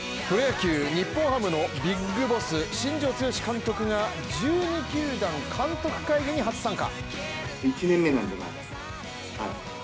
ＪＴプロ野球・日本ハムのビッグボス新庄剛志監督が１２球団監督会議に初参加。